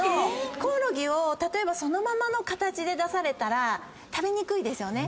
コオロギを例えばそのままの形で出されたら食べにくいですよね。